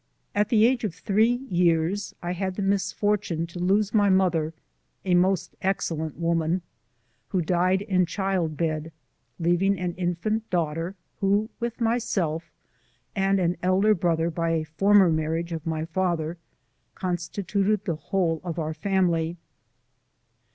At the age of three years I had the misfortune to lose my mother, a most excellent woman, who died in childbed, leaving an infant daughter, who, with myself, and an elder brother by a former marriage of my father, constituted the whole of our family.